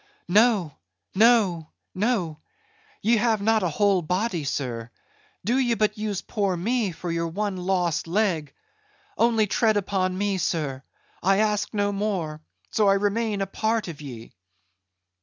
"No, no, no! ye have not a whole body, sir; do ye but use poor me for your one lost leg; only tread upon me, sir; I ask no more, so I remain a part of ye."